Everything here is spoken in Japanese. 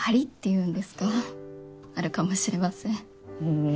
うん？